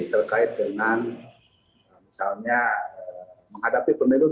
terkait dengan misalnya menghadapi pemilu dua ribu dua puluh empat